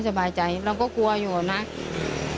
ไม่สบายใจเราก็กลัวอยู่แหละนะ